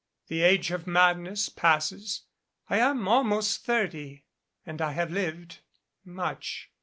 The age of madness passes I am almost thirty and I have lived much.